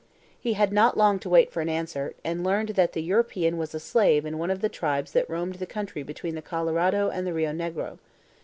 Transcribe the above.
He had not long to wait for an answer, and learned that the European was a slave in one of the tribes that roamed the country between the Colorado and the Rio Negro.